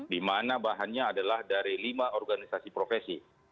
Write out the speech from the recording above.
di mana bahannya adalah dari lima organisasi profesi